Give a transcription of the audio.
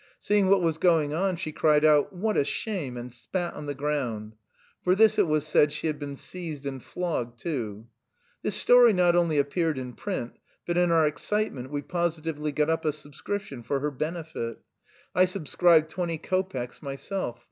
Seeing what was going on, she cried out, "What a shame!" and spat on the ground. For this it was said she had been seized and flogged too. This story not only appeared in print, but in our excitement we positively got up a subscription for her benefit. I subscribed twenty kopecks myself.